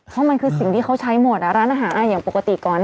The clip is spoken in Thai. เพราะมันคือสิ่งที่เขาใช้หมดร้านอาหารอย่างปกติก่อน